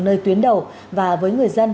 nơi tuyến đầu và với người dân